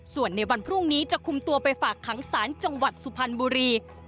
ส่วนในวันพรุ่งนี้จะคุมตัวไปฝากขังศาลจังหวัดสุพรรณบุรี